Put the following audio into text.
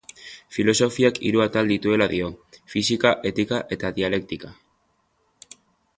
Filosofiak hiru atal dituela dio: fisika, etika eta dialektika.